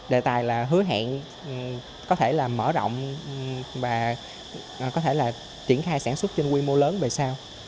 đề tài là hứa hẹn có thể là mở rộng và có thể là triển khai sản xuất trên quy mô lớn về sau